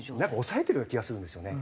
抑えてるような気がするんですよね。